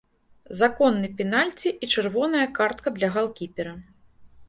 Законны пенальці і чырвоная картка для галкіпера.